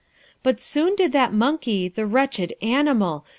But soon did that monkey, the wretched animal!